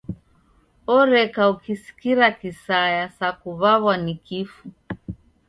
Oreka ukisikira kisaya sa kuw'aw'a ni kifu.